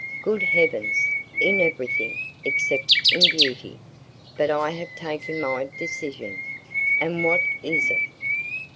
"Good heavens! In everything, except in beauty. But I have taken my decision." "And what is it?"